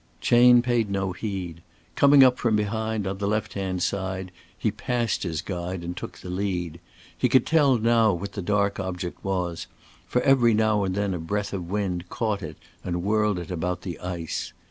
Chayne paid no heed. Coming up from behind on the left hand side, he passed his guide and took the lead. He could tell now what the dark object was, for every now and then a breath of wind caught it and whirled it about the ice.